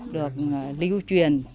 được lưu truyền